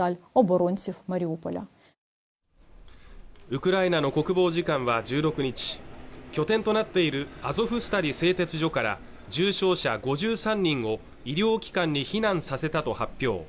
ウクライナの国防次官は１６日拠点となっているアゾフスタリ製鉄所から重傷者５３人を医療機関に避難させたと発表